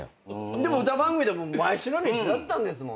でも歌番組で毎週のように一緒だったんですもんね。